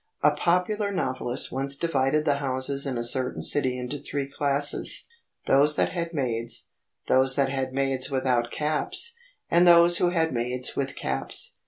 A popular novelist once divided the houses in a certain city into three classes: those that had maids, those that had maids without caps, and those who had maids with caps.